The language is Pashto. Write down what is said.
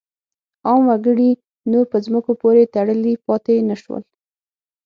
عام وګړي نور په ځمکو پورې تړلي پاتې نه شول.